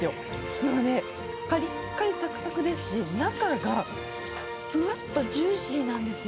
なんかね、かりっかり、さくさくですし、中がふわっとジューシーなんですよ。